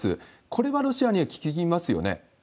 これはロシアには効きますよね？